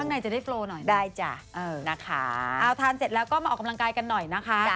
ข้างในจะได้โฟล์หน่อยนะคะเอาทานเสร็จแล้วก็มาออกกำลังกายกันหน่อยนะคะ